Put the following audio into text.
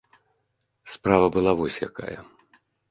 Справа была вось якая.